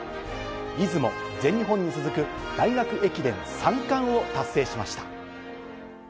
出雲、全日本に続く大学駅伝三冠を達成しました。